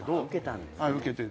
受けて。